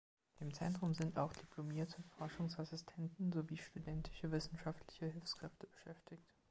Im Zentrum sind auch diplomierte Forschungsassistenten sowie studentische wissenschaftliche Hilfskräfte beschäftigt.